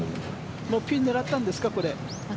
ピンを狙ったんですか？